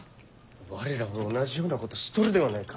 我らも同じようなことしとるではないか。